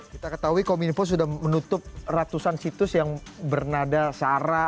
kita ketahui kominfo sudah menutup ratusan situs yang bernada sara